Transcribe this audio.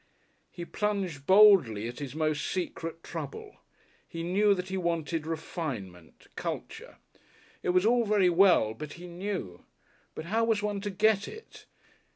He plunged boldly at his most secret trouble. He knew that he wanted refinement culture. It was all very well but he knew. But how was one to get it?